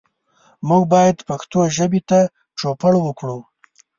موږ باید پښتو ژبې ته چوپړ وکړو.